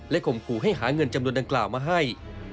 ข่มขู่ให้หาเงินจำนวนดังกล่าวมาให้